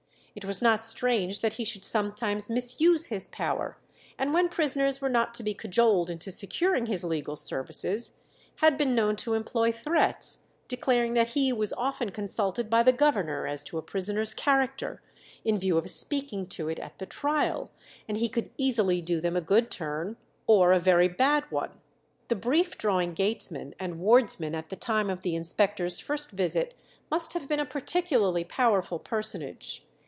It was not strange that he should sometimes misuse his power, and when prisoners were not to be cajoled into securing his legal services, had been known to employ threats, declaring that he was often consulted by the governor as to a prisoner's character, in view of speaking to it at the trial, and he could easily do them a good turn or a very bad one. The brief drawing gatesman and wardsman at the time of the inspectors' first visit must have been a particularly powerful personage.